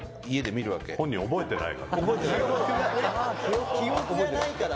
富澤：本人、覚えてないから。